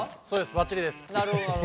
ばっちりです。